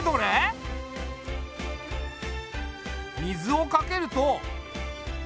水をかけると。